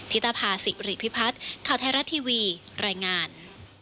ิตภาษิริพิพัฒน์ข่าวไทยรัฐทีวีรายงาน